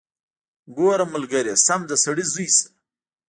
ګوره ملګريه سم د سړي زوى شه.